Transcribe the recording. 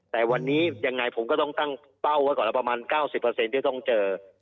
แต่วันนี้ยังไงผมก็ต้องตั้งเป้าไว้ก่อนละประมาณ๙๐ที่ต้องเจอ